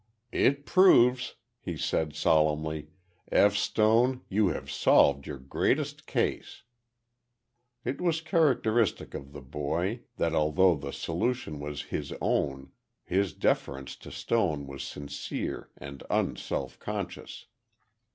"It proves," he said, solemnly. "F. Stone, you have solved your greatest case!" It was characteristic of the boy, that although the solution was his own, his deference to Stone was sincere and un self conscious.